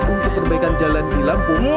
untuk perbaikan jalan di lampung